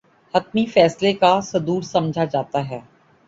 حتمی فیصلے کا صدور سمجھا جاتا ہے